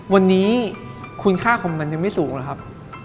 วันนี้คุณค่าของมันยังไม่สูงหรอกครับ